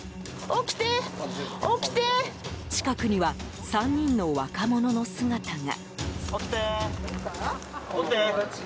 近くには、３人の若者の姿が。